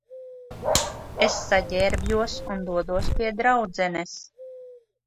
Es saģērbjos un dodos pie draudzenes.